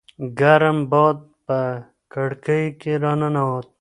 ګرم باد په کړکۍ راننووت.